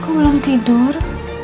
kok belum tidur